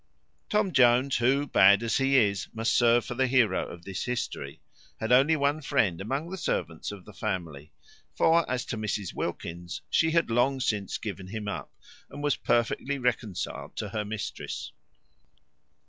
Tom Jones, who, bad as he is, must serve for the heroe of this history, had only one friend among all the servants of the family; for as to Mrs Wilkins, she had long since given him up, and was perfectly reconciled to her mistress.